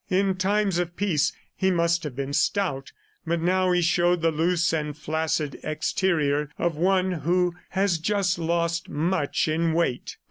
In times of peace, he must have been stout, but now he showed the loose and flaccid exterior of one who has just lost much in weight.